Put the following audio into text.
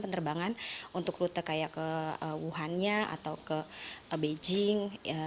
penerbangan untuk rute kayak ke wuhannya atau ke beijing